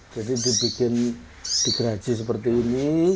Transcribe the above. dibikin digraji seperti ini